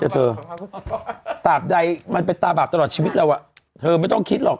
เธอตามใดมันเป็นตาบาปตลอดชีวิตเราอ่ะเธอไม่ต้องคิดหรอก